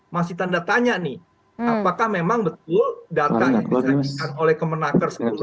masih tanda tanya nih apakah memang betul data yang disajikan oleh kemenaker sepuluh tahun